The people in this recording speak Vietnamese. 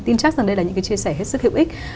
tin chắc rằng đây là những cái chia sẻ hết sức hữu ích